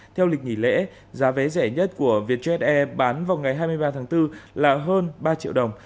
theo lịch nghỉ lễ giá vé rẻ nhất của vietjet air bán vào ngày hai mươi ba tháng bốn là hơn ba triệu đồng